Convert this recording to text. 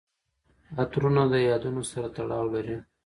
عطرونه د یادونو سره تړاو لري.